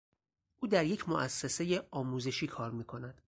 او در یک موسسهی آموزشی کار میکند.